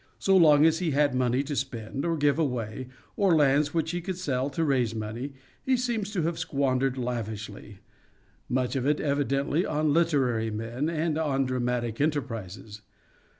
So long as he had money to spend or give away, or lands which he could sell to raise money, he seems to have squandered lavishly ; much of it, evidently, on literary men and on dramatic enterprises.